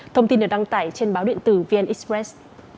thông tin được đăng tải trên báo điện tử vn express